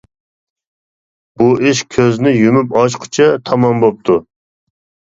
بۇ ئىش كۆزنى يۇمۇپ ئاچقۇچە تامام بوپتۇ.